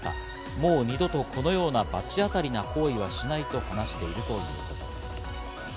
もう二度とこのような罰当たりな行為をしないと話しているということです。